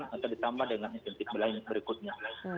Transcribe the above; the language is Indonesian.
atau ditambah dengan insentif lain berikutnya